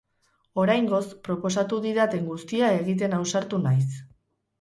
Oraingoz, proposatu didaten guztia egiten ausartu naiz.